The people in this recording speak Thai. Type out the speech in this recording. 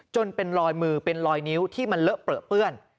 จนเป็นลอยมือเป็นรอยนิ้วที่มันเลอะเปลือเปื้อน